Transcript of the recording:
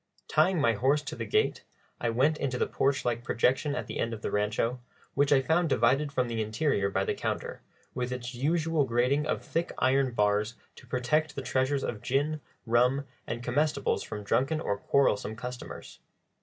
Tying my horse to the gate, I went into the porch like projection at the end of the rancho, which I found divided from the interior by the counter, with its usual grating of thick iron bars to protect the treasures of gin, rum, and comestibles from drunken or quarrelsome customers.